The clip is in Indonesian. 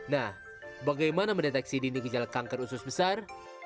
nah bagaimana mendeteksi dini gejala kanker usus besar